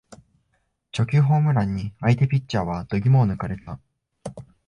初球ホームランに相手ピッチャーは度肝を抜かれた